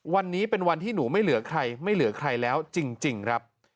วันนี้เป็นวันที่หนูไม่เหลือใครไม่เหลือใครแล้วจริงครับ